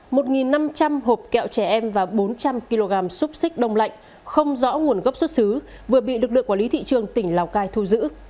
một năm trăm linh hộp kẹo trẻ em và bốn trăm linh kg xúc xích đông lạnh không rõ nguồn gốc xuất xứ vừa bị lực lượng quản lý thị trường tỉnh lào cai thu giữ